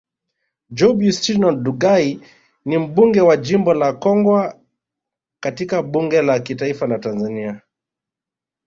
Job Yustino Ndugai ni mbunge wa jimbo la Kongwa katika bunge la kitaifa Tanzania